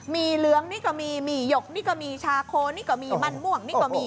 มีเหลืองนี่ก็มีหมี่หยกนี่ก็มีชาโคนี่ก็มีมันม่วงนี่ก็มี